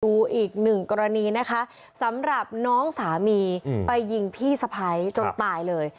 ดูอีกหนึ่งกรณีนะคะสำหรับน้องสามีไปยิงพี่สะพ้ายจนตายเลย